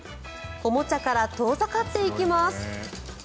おもちゃから遠ざかっていきます。